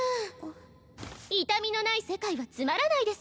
（加痛みのない世界はつまらないです